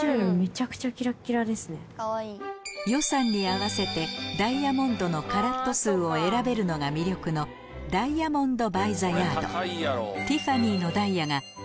予算に合わせてダイヤモンドのカラット数を選べるのが魅力のダイヤモンドバイザヤード